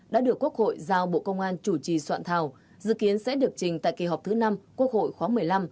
đã được quốc hội giao bộ công an chủ trì soạn thảo dự kiến sẽ được trình tại kỳ họp thứ năm quốc hội khóa một mươi năm